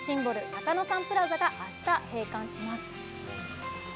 中野サンプラザがあした、閉館します。